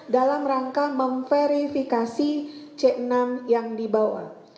dalam rangka memverifikasi c enam yang dibawa